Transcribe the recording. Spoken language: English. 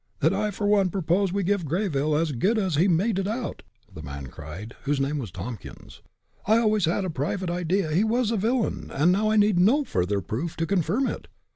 "Then, I for one propose we give Greyville as good as he meted out!" the man cried, whose name was Tompkins. "I always had a private idea that he was a villain, and now I need no further proof to confirm it.